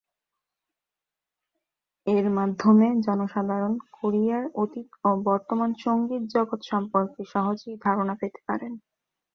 এর মাধ্যমে জনসাধারণ কোরিয়ার অতীত ও বর্তমান সংগীত জগৎ সম্পর্কে সহজেই ধারণা পেতে পারেন।